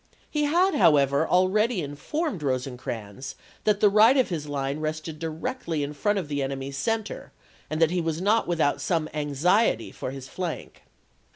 He had, however, already informed Rosecrans that the right of his line rested directly in front of the enemy's center and that he was not without some anxiety for his flank.